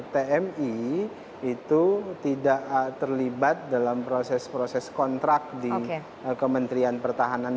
tmi itu tidak terlibat dalam proses proses kontrak di kementerian pertahanan